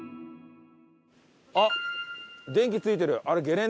あっ電気ついてる。